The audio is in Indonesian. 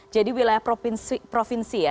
jadi wilayah provinsi ya